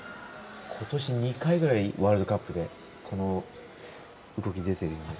今年、２回ぐらいワールドカップでこの動き、出てるよね。